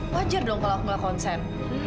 wajar dong kalau aku nggak konsen